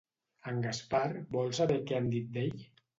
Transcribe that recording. En Gaspar vol saber què han dit d'ell?